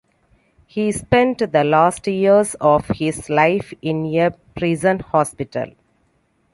He spent the last years of his life in a prison hospital.